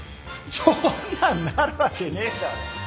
そんなんなるわけねえだろ